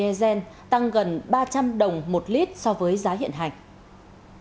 đương nhiên là nền lượng tài liệu trong nền lượng có tính pháp cách dùng cho mọi người